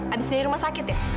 abis dari rumah sakit ya